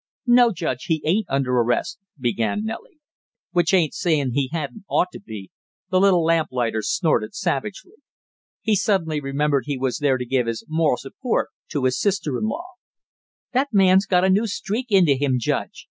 "No, Judge, he ain't under arrest " began Nellie. "Which ain't saying he hadn't ought to be!" the little lamplighter snorted savagely. He suddenly remembered he was there to give his moral support to his sister in law. "That man's got a new streak into him, Judge.